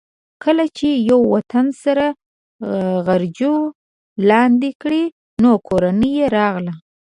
کله چې یې وطن سرو غجرو لاندې کړ نو کورنۍ یې راغله.